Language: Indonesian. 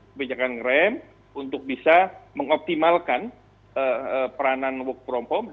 kebijakan rem untuk bisa mengoptimalkan peranan work from home